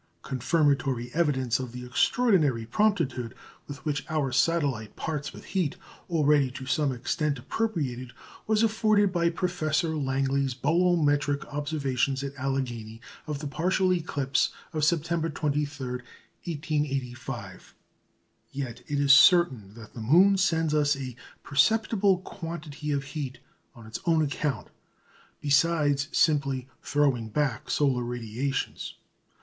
Confirmatory evidence of the extraordinary promptitude with which our satellite parts with heat already to some extent appropriated, was afforded by Professor Langley's bolometric observations at Allegheny of the partial eclipse of September 23, 1885. Yet it is certain that the moon sends us a perceptible quantity of heat on its own account, besides simply throwing back solar radiations.